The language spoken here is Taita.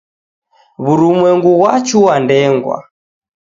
Wurumwengu ghwachua ndengwa